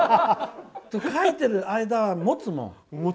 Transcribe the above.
書いてる間はもつもん！